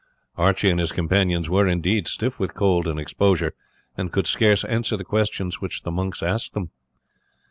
Archie and his companions were, indeed, stiff with cold and exposure, and could scarce answer the questions which the monks asked them.